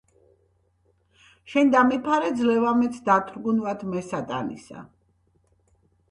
შენ დამიფარე, ძლევა მეც დათრგუნვად მე სატანისა